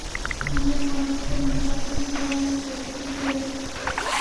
موږ افغانان خپل متعفنه هوا مغزو ته ختلې.